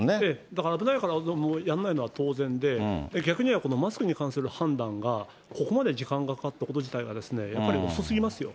だから危ないからやんないのは当然で、逆に言えばこのマスクに関する判断がここまで時間がかかったこと自体が、やっぱり遅すぎますよ。